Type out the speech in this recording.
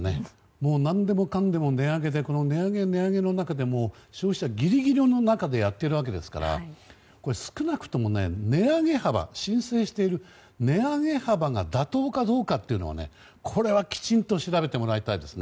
もう何でもかんでも値上げで値上げの、値上げの中で消費者、ギリギリの中でやっているわけですから少なくとも値上げ幅申請している値上げ幅が値上げ幅が妥当かどうかというのはこれは、きちんと調べてもらいたいですね。